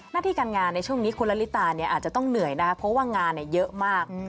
หน้าที่การงานในช่วงนี้คุณละลิตาเนี่ยอาจจะต้องเหนื่อยนะครับเพราะว่างานเยอะมาก